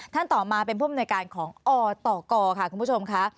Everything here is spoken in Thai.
ท่านต่อมาเป็นผู้บริเวณการของอตกกคุณผู้ชมค่ะ